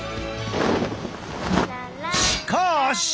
しかし！